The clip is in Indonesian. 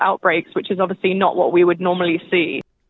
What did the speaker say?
yang tidak seperti yang kita lihat